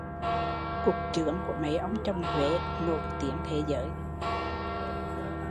Cục chướng của mấy ông chồng Huế nổi tiếng thế giới